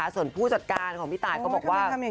ส่วนผู้จัดการของพี่ตายก็บอกว่า